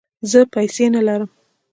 زه پیسې نه لرم